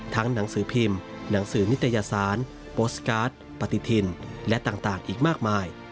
หนังสือพิมพ์หนังสือนิตยสารโปสตการ์ดปฏิทินและต่างอีกมากมาย